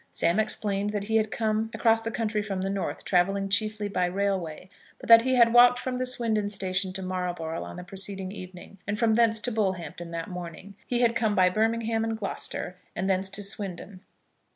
Sam explained that he had come across the country from the north, travelling chiefly by railway, but that he had walked from the Swindon station to Marlborough on the preceding evening, and from thence to Bullhampton that morning. He had come by Birmingham and Gloucester, and thence to Swindon.